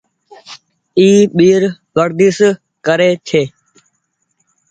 اي ٻير ورديش ڪري ڇي۔